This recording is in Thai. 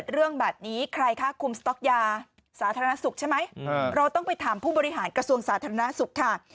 เราต้องไปถามผู้บริหารกระทรวงสาธารณสุขค่ะ